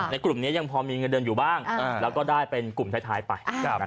กลุ่มนี้ยังพอมีเงินเดือนอยู่บ้างแล้วก็ได้เป็นกลุ่มท้ายไป